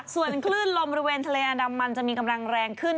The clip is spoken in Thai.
ส่วนคลื่นลมบริเวณทะเลอันดามันจะมีกำลังแรงขึ้น